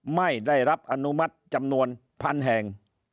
ไม่ได้รับอนุมัติจำนวนพันแห่ง